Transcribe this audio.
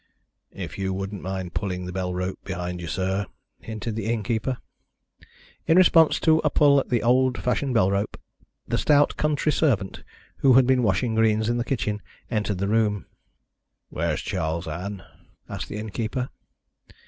"If you wouldn't mind pulling the bell rope behind you, sir," hinted the innkeeper. In response to a pull at the old fashioned bell rope, the stout country servant, who had been washing greens in the kitchen, entered the room. "Where is Charles, Ann?" asked the innkeeper.